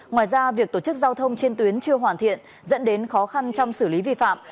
ngoài ra việc tổ chức giao thông trên tuyến chưa hoàn thiện dẫn đến khó khăn trong xử lý vi phạm